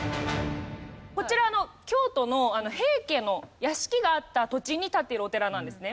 こちら京都の平家の屋敷があった土地に立っているお寺なんですね。